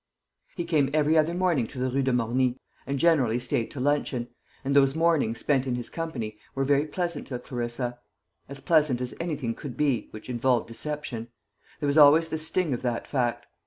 He came every other morning to the Rue de Morny, and generally stayed to luncheon; and those mornings spent in his company were very pleasant to Clarissa as pleasant as anything could be which involved deception; there was always the sting of that fact.